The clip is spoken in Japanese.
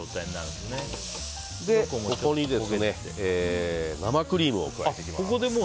ここに生クリームを加えていきます。